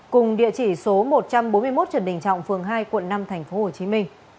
cùng địa chỉ số một trăm bốn mươi một trần đình trọng phường hai quận năm tp hcm